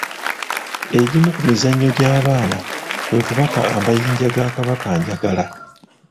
Egimu ku mizannyo gy'abaana kwe kubaka amayinja ga kabakanjagala.